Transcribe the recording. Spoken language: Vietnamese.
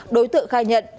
đối tượng khai nhận